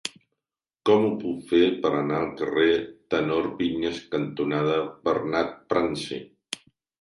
Com ho puc fer per anar al carrer Tenor Viñas cantonada Bernat Bransi?